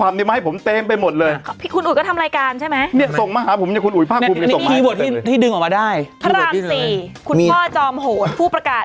มีมายแม่ปิ้งไหมพระราม๔